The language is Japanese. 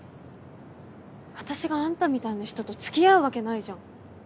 私があんたみたいな人と付き合うわけないじゃん。